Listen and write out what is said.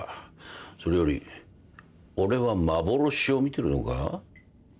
それより俺は幻を見てるのか？